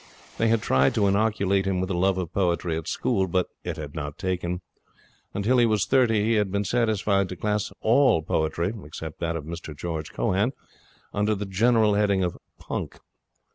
They had tried to inoculate him with a love of poetry at school, but it had not taken. Until he was thirty he had been satisfied to class all poetry (except that of Mr George Cohan) under the general heading of punk.